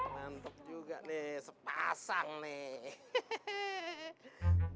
mantuk juga nih sepasang nih